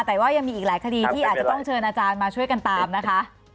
แต่ว่ายังมีอีกหลายคดีที่อาจจะต้องเชิญอาจารย์มาช่วยกันตามนะคะ